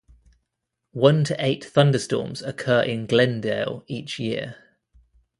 One to eight thunderstorms occur in Glendale each year.